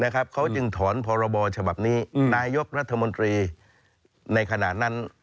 เขาจึงถอนพรบฉบับนี้นายกรัฐมนตรีในขณะนั้น